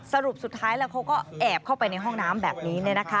สรุปสุดท้ายแล้วเขาก็แอบเข้าไปในห้องน้ำแบบนี้